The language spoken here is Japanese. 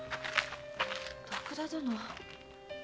徳田殿。